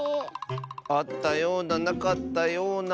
あったようななかったような。